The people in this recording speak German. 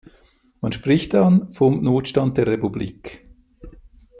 Man spricht dann vom Notstand der Republik.